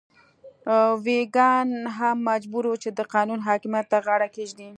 ویګیان هم مجبور وو چې د قانون حاکمیت ته غاړه کېږدي.